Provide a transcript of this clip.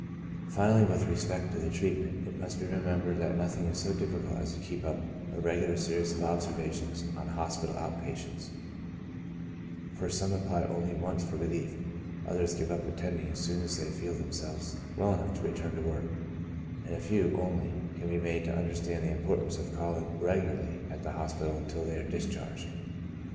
Finally, with respect to the treatment, it must be remem bered that nothing is so difficult as to keep up a regular series of observations on hospital out patients ; for some apply only once for relief; others give up attending as soon as they feel themselves well enough to return to work ; and a few, only, can be made to understand the importance of calling regularly at the hospital until they are discharg ed.